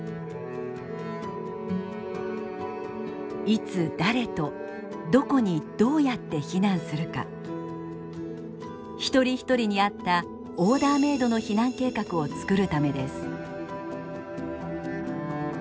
いつ誰とどこにどうやって避難するか一人一人に合ったオーダーメイドの避難計画を作るためです。